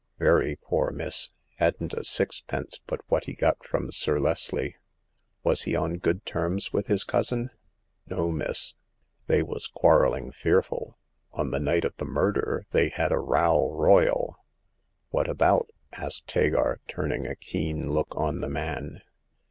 Very poor, miss ; hadn't a sixpence but what he got from Sir Leslie." Was he on good terms with his cousin ?" No, miss ; they was quarreUng fearful. On the night of the murder they had a row royal !"" What about ?asked Hagar, turning a keen look on the man.